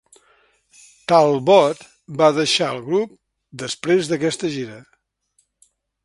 Talbot va deixar el grup després d'aquesta gira.